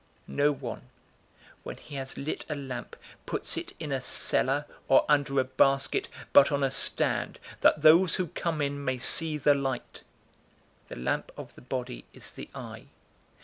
011:033 "No one, when he has lit a lamp, puts it in a cellar or under a basket, but on a stand, that those who come in may see the light. 011:034 The lamp of the body is the eye.